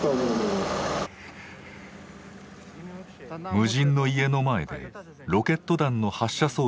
無人の家の前でロケット弾の発射装置を発見。